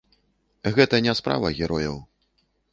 Гэта не справа герояў.